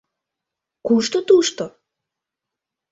— Кушто тушто?